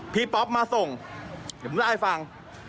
พี่ป๊อปมาส่งเดี๋ยวผมได้ฟัง